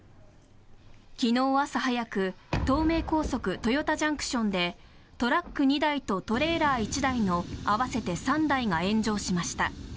昨日朝早く東名高速豊田ＪＣＴでトラック２台とトレーラー１台の合わせて３台が炎上しました。